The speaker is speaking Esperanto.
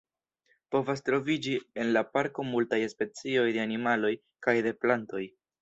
Povas troviĝi en la parko multaj specioj de animaloj kaj de plantoj.